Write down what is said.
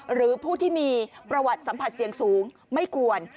หรือผู้ที่มีประวัติสัมผัสเสี่ยงสูงไม่ควร